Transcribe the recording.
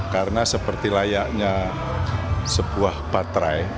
karena seperti layaknya sebuah baterai